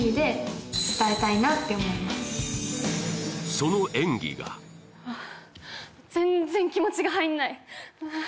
その演技が全然気持ちが入んないああ